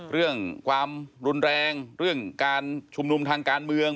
เรื่องความรุนแรงเรื่องการชุมนุมทางการเมือง